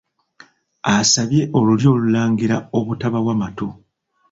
Asabye Olulyo Olulangira obutabawa matu.